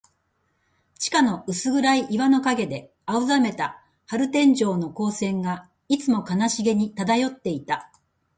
地下の薄暗い岩の影で、青ざめた玻璃天井の光線が、いつも悲しげに漂っていた。